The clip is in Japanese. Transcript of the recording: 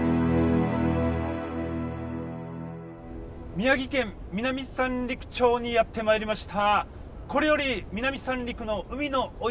宮城県南三陸町にやって参りました。